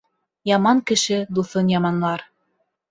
Яман кеше дуҫын яманлар.